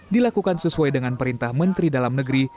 dilakukan sesuai dengan perintah menteri dalam negeri